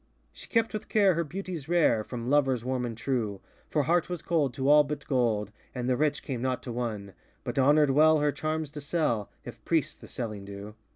She kept with care her beauties rare From lovers warm and trueŌĆö For heart was cold to all but gold, And the rich came not to won, But honorŌĆÖd well her charms to sell. If priests the selling do.